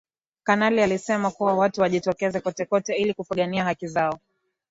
kanali alisema kuwa watu wajitokeze kotekote ili kupigania haki zao